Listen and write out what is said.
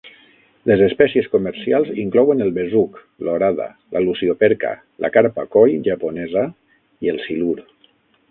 Les espècies comercials inclouen el besuc, l'orada, la lucioperca, la carpa koi japonesa i el silur.